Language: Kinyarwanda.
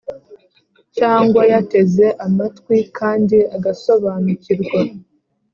cyangwa yateze amatwi kandi agasobanukirwa.